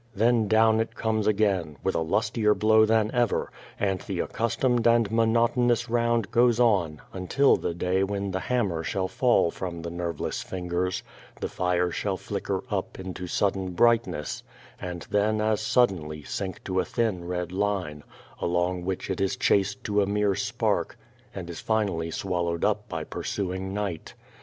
Then down it comes again, with a lustier blow than ever, and the accustomed and monotonous round goes on until the day when the hammer shall fall from the nerveless fingers, the fire shall flicker up into sudden brightness, and then as suddenly sink to a thin red line, along which it is chased 5 The Child Face to a mere spark, and is finally swallowed up by pursuing night.